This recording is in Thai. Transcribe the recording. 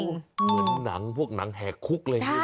เหมือนหนังพวกหนังแห่คุกเลย